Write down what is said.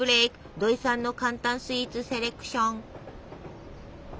土井さんの簡単スイーツセレクション。